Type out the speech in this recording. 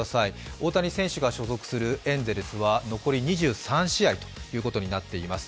大谷選手が所属するエンゼルスは残り２３試合ということになっています。